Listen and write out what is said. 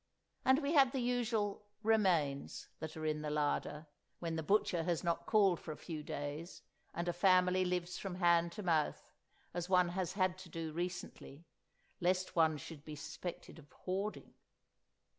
and we had the usual "remains" that are in the larder, when the butcher has not called for a few days and a family lives from hand to mouth, as one has had to do recently, lest one should be suspected of hoarding!